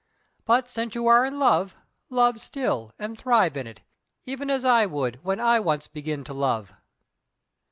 But since you are in love, love still, and thrive in it, even as I would when I once begin to love."